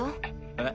えっ？